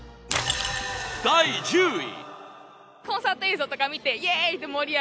第１０位。